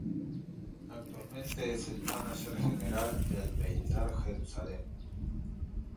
Actualmente es el mánager general del Beitar Jerusalem.